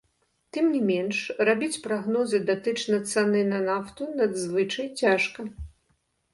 Тым не менш, рабіць прагнозы датычна цэны на нафту надзвычай цяжка.